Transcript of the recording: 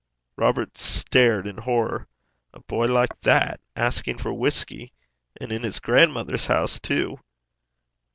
Robert stared in horror. A boy like that asking for whisky! and in his grandmother's house, too!